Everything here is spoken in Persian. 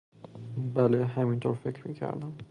بله، همین طور فکر میکردم.